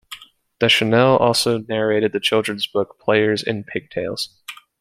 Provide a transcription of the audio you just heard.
Deschanel also narrated the children's book "Players in Pigtails".